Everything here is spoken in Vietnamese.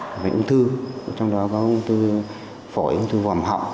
cái ung thư trong đó có ung thư phổi ung thư vòm họng